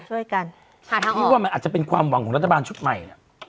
สิ่งนี้อาจจะเป็นความหวังของรัฐบาลชุดใหม่